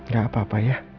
gak apa apa ya